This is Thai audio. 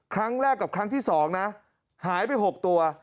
ครั้งแรกกับครั้งที่๒นะหายไป๖ตัว